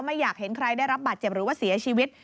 ไม่อยากเห็นใครได้รับบาดเจ็บหรือว่าเสียชีวิต